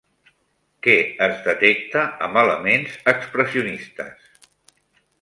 Què es detecta amb elements expressionistes?